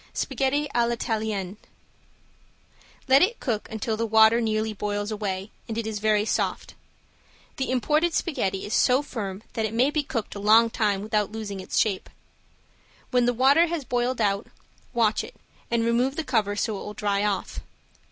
~SPAGHETTI A L'ITALIENNE~ Let it cook until the water nearly boils away and it is very soft. The imported spaghetti is so firm that it may be cooked a long time without losing its shape. When the water has boiled out, watch it and remove the cover so it will dry off.